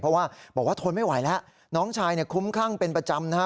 เพราะว่าบอกว่าทนไม่ไหวแล้วน้องชายเนี่ยคุ้มคลั่งเป็นประจำนะฮะ